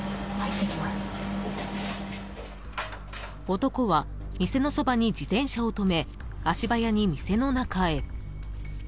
［男は店のそばに自転車を止め足早に店の中へ］